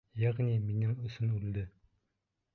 Йәғни минең өсөн үлде.